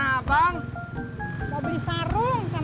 sekarang dia mulai rajin sholat ke masjid